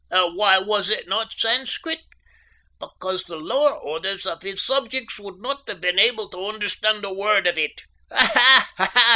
And why was it not Sanscrit? Because the lower orders of his subjects would not have been able to understand a word of it. Ha, ha!